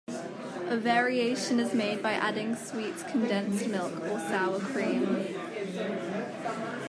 A variation is made by adding sweet condensed milk or sour cream.